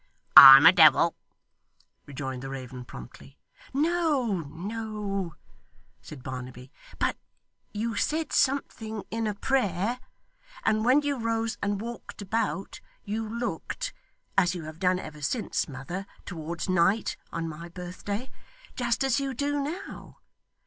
'I'm a devil!' rejoined the raven promptly. 'No, no,' said Barnaby. 'But you said something in a prayer; and when you rose and walked about, you looked (as you have done ever since, mother, towards night on my birthday) just as you do now.